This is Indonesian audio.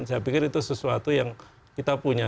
saya pikir itu sesuatu yang kita punya